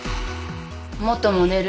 元モデル。